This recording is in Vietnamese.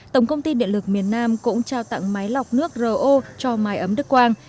tổng công ty điện lực miền nam cũng trao tặng máy lọc nước ro cho mái ấm đức quang